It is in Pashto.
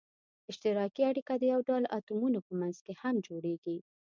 اشتراکي اړیکه د یو ډول اتومونو په منځ کې هم جوړیږي.